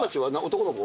男の子？